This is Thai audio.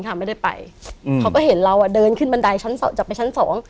เขาไม่ได้ไปอืมเขาก็เห็นเราอ่ะเดินขึ้นบันไดชั้นสองจะไปชั้นสอง